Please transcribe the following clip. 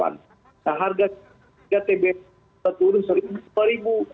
nah harga tbs itu turun seribu